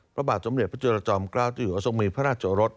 พระบาทสมเด็จพระจุดระจอมเกล้าเจ้าหญิงอสมีพระราชโอรส